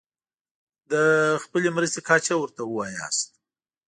د خپلې مرستې کچه ورته ووایاست.